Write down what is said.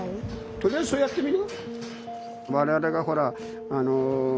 とりあえずそれやってみる？